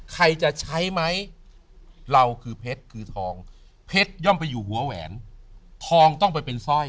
ใครจะใช้ไหมเราคือเพชรคือทองเพชรย่อมไปอยู่หัวแหวนทองต้องไปเป็นสร้อย